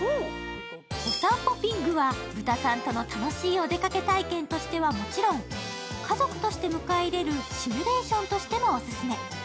おさんぽぴっぐは豚さんとの楽しいお出かけ体験としてはもちろん家族として迎え入れるシミュレーションとしてもオススメ。